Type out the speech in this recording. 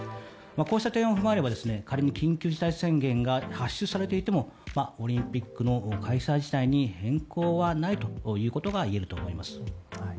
こうした点を踏まえれば仮に緊急事態宣言が発出されていてもオリンピックの開催自体に変更はないということが言えると思います。